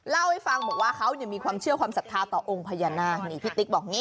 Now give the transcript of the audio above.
เล่าให้ฟังบอกว่าเขามีความเชื่อความศรัทธาต่อองค์พญานาคนี่พี่ติ๊กบอกอย่างนี้